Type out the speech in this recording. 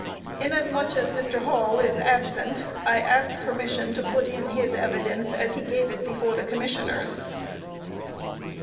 Inasmuch as Mr. Hall is absent, I ask permission to put in his evidence as he gave it before the Commissioners.